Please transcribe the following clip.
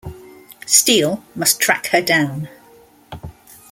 Steele must track her down.